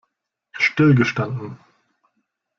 Stillgestanden!